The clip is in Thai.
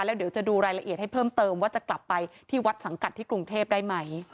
แล้วเดี๋ยวจะดูรายละเอียดให้เพิ่มเติมว่าจะกลับไปที่วัดสังกัดที่กรุงเทพได้ไหม